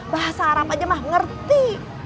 bahasa arab aja mah ngerti